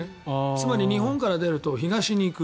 つまり、日本から出ると東に行く。